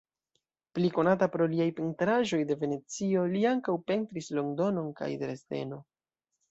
Pli konata pro liaj pentraĵoj de Venecio, li ankaŭ pentris Londonon kaj Dresdeno.